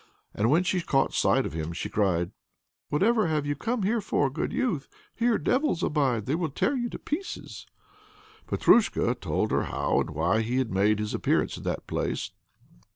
And when she caught sight of him she cried: "Whatever have you come here for, good youth? here devils abide, they will tear you to pieces." Petrusha told her how and why he had made his appearance in that palace.